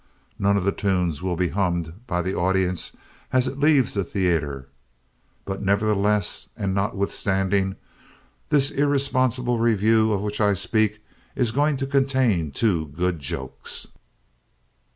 None of the tunes will be hummed by the audience as it leaves the theater. But, nevertheless and notwithstanding, this irresponsible revue of which I speak is going to contain two good jokes.